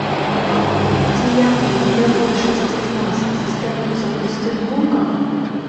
Ці яны для большасці з нас застаюцца пустым гукам?